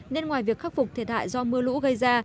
nên ngoài việc khắc phục thiệt hại do mưa lũ gây ra